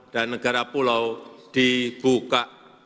dan negara pulau dibuka